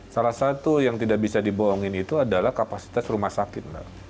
salah satu yang tidak bisa dibohongin itu adalah kapasitas rumah sakit mbak